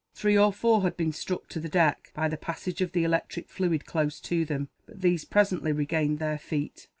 Three or four had been struck to the deck, by the passage of the electric fluid close to them; but these presently regained their feet.